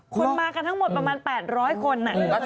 คุณมากันทั้งหมดประมาณ๘๐๐คน